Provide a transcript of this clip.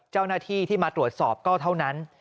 เจ้าหน้าที่ที่มาตรวจสอบก็เท่านั้น